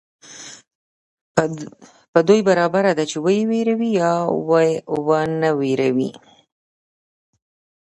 په دوى برابره ده چي وئې وېروې يا ئې ونه وېروې